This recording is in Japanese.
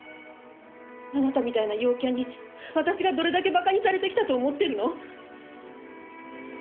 あなたみたいな陽キャに私がどれだけ馬鹿にされてきたと思ってるの？